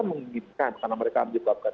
menginginkan karena mereka menyebabkan